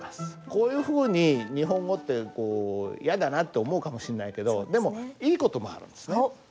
こういうふうに日本語ってこうやだなって思うかもしんないけどでもいいこともあるんですね。